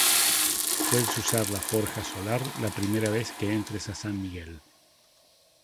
Puedes usar la forja solar la primera vez que entres a San Miguel.